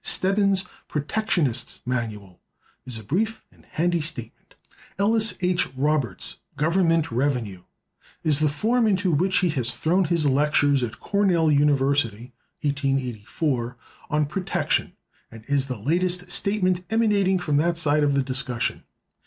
Stebbins's "Protectionists' Manual" is a brief and handy statement. Ellis H. Roberts's "Government Revenue" is the form into which he has thrown his lectures at Cornell University (1884) on protection, and is the latest statement emanating from that side of the discussion.